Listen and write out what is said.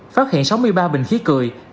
phát hiện sáu mươi ba bình khí cười